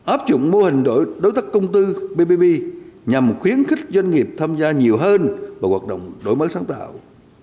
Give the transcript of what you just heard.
áp dụng mô hình đối tác công tư bbb nhằm khuyến khích doanh nghiệp tham gia nhiều hơn vào hoạt động đổi mới sáng tạo